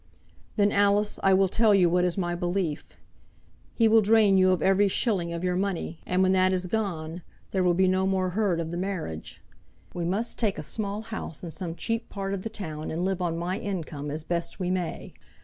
"Then, Alice, I will tell you what is my belief. He will drain you of every shilling of your money, and when that is gone, there will be no more heard of the marriage. We must take a small house in some cheap part of the town and live on my income as best we may.